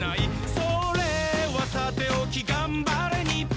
「それはさておきがんばれ日本」